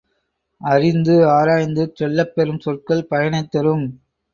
அறிந்து ஆராய்ந்து சொல்லப்பெறும் சொற்கள் பயனைத் தரும்.